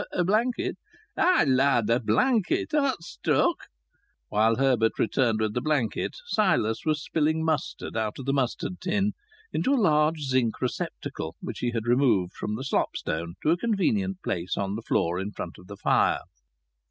"A blanket?" "Ay, lad! A blanket. Art struck?" When Herbert returned with the blanket Silas was spilling mustard out of the mustard tin into a large zinc receptacle which he had removed from the slop stone to a convenient place on the floor in front of the fire.